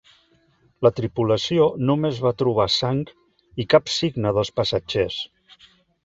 La tripulació només va trobar sang i cap signe dels passatgers.